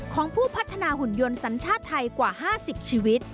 ของผู้พัฒนาหุ่นยนต์สัญชาติไทยกว่า๕๐ชีวิต